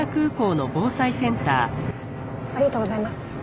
ありがとうございます。